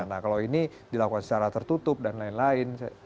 nah kalau ini dilakukan secara tertutup dan lain lain